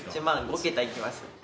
５桁いきます。